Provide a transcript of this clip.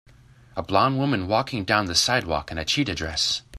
a blond woman walking down the sidewalk in a cheetah dress.